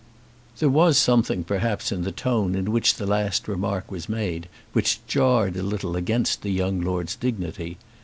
There was something perhaps in the tone in which the last remark was made which jarred a little against the young lord's dignity.